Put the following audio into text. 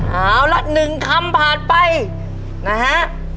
เอาละ๑คำผ่านไปนะฮะ